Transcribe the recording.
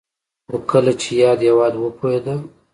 خو کله چې یاد هېواد وپوهېده